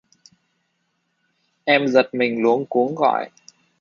Em giật mình luống cuống gọi